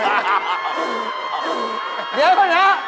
เดี๋ยวน่ะ